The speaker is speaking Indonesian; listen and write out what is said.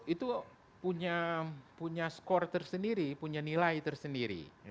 itu punya skor tersendiri punya nilai tersendiri